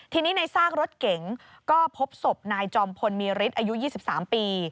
ทีนี้ในซากรถเก๋งก็พบศพนายจอมพลมีฤทธิ์อายุ๒๓ปี